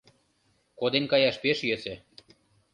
Коден каяш пеш йӧсӧ.